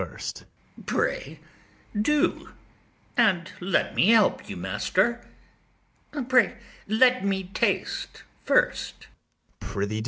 ITHAMORE. Pray, do, and let me help you, master. Pray, let me taste first. BARABAS. Prithee, do.